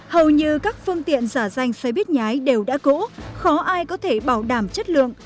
hầu như các phương tiện giả danh xe buýt nhái đều đã cũ khó ai có thể bảo đảm chất lượng